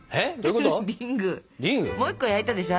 もう１個焼いたでしょ。